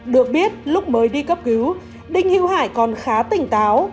được biết lúc mới đi cấp cứu đinh hữu hải còn khá tỉnh táo